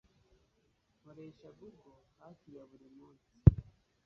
Nkoresha Google hafi buri munsi